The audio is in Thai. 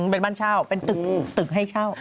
เป็นบ้านเช่าเป็นตึกให้เช่า